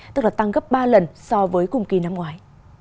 tức là tăng gấp ba lần so với cùng kỳ năm ngoái